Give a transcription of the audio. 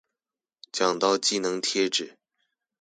講到技能貼紙